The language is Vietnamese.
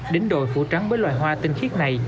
đến đồi phủ trắng với loài hoa tinh khiết này